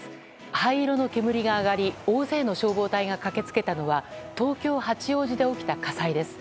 灰色の煙が上がり大勢の消防隊が駆け付けたのは東京・八王子市で起きた火災です。